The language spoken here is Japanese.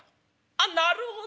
「あっなるほど。